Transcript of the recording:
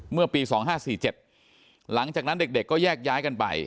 เมื่อปีสองห้าสี่เจ็ดหลังจากนั้นเด็กเด็กก็แยกย้ายกันไป